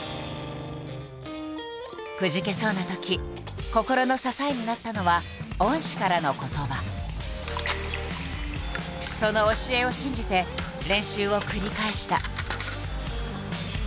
くじけそうなとき心の支えになったのはその教えを信じて練習を繰り返した。